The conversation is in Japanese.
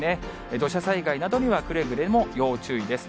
土砂災害などにはくれぐれも要注意です。